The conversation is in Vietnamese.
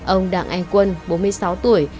ông đạng anh quân bốn mươi sáu tuổi